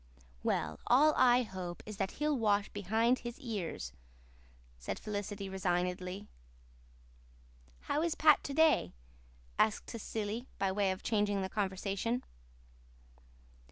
"Well, all I hope is that he'll wash behind his ears," said Felicity resignedly. "How is Pat to day?" asked Cecily, by way of changing the conversation.